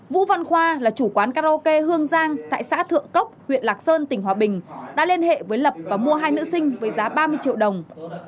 vũ văn khoa là chủ quán karaoke hương giang tại xã thượng cốc huyện lạc sơn tỉnh hòa bình đã liên hệ với lập và mua hai nữ sinh với giá ba mươi triệu đồng